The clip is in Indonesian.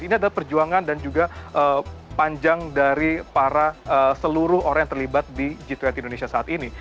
ini adalah perjuangan dan juga panjang dari para seluruh orang yang terlibat di g dua puluh indonesia saat ini